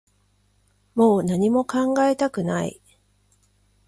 もう何も考えたくない